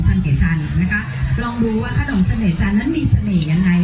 สะเกจันนะคะลองดูว่าขนมเสน่ห์จันมันมีเสน่ห์ยังไง